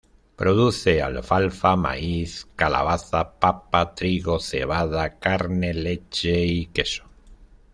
Produce alfalfa, maíz, calabaza, papa, trigo, cebada, carne, leche y queso.